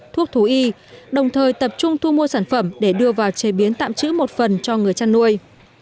thuốc thú y đồng thời tập trung thu mua sản phẩm để đưa vào chế biến tạm trữ một phần cho người chăn nuôi